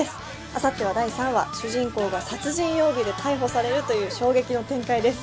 あさっては第３話主人公が殺人容疑で逮捕されるという衝撃の展開です